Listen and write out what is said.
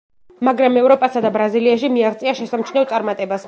მაგრამ ევროპასა და ბრაზილიაში მიაღწია შესამჩნევ წარმატებას.